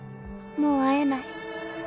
「もう会えない」